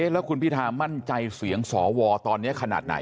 แล้วคุณพิธามั่นใจเสียงสวตอนนี้ขนาดไหน